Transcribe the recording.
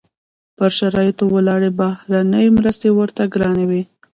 پر شرایطو ولاړې بهرنۍ مرستې ورته ګرانې وې.